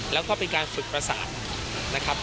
แล้วก็เป็นการฝึกประสาน